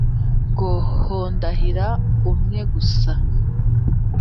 ngo hodahira umwe gusa ?